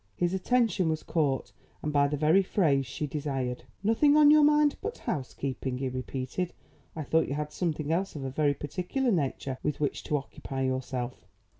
His attention was caught and by the very phrase she desired. "Nothing on your mind but housekeeping?" he repeated. "I thought you had something else of a very particular nature with which to occupy yourself."